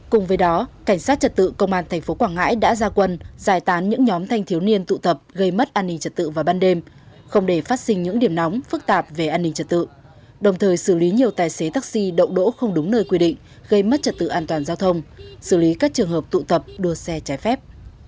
cùng với đó cảnh sát trật tự công an tp quảng ngãi đã ra quân giải tán những nhóm thanh thiếu niên tụ tập gây mất an ninh trật tự vào ban đêm không để phát sinh những điểm nóng phức tạp về an ninh trật tự đồng thời xử lý nhiều tài xế taxi đậu đỗ không đúng nơi quy định gây mất trật tự an toàn giao thông xử lý các trường hợp tụ tập đua xe trái phép